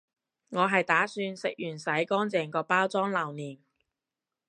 我係打算食完洗乾淨個包裝留念